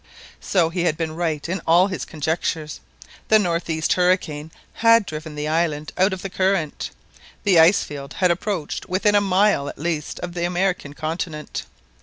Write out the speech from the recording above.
So he had been right in all his conjectures. The north east hurricane had driven the island out of the current. The ice field had approached within a mile at least of the American continent.